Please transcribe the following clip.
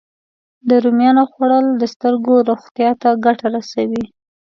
د رومیانو خوړل د سترګو روغتیا ته ګټه رسوي